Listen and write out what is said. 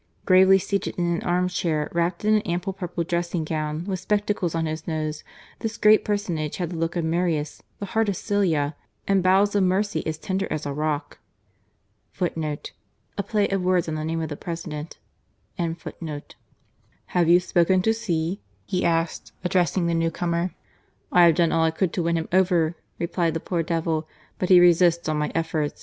Gravely seated in an armchair, wrapped in an ample purple dressing gown, with spectacles on his nose, this great per sonage had the look of Marius, the heart of Sylla, and bowels of mercy as tender as a rock.^ Have you spoken to C ?" he asked, address ing the new comer. " I have done all I could to win him over," replied the poor devil, but he resists all my efforts.